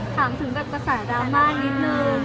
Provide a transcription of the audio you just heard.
ถามถึงแบบภาษารามานิดนึง